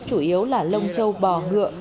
chủ yếu là lông châu bò ngựa